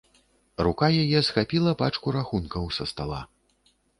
Рука яе схапіла пачку рахункаў са стала.